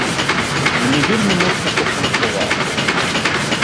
Мне вельмі моцна пашанцавала.